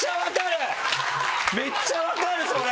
めっちゃ分かるそれ！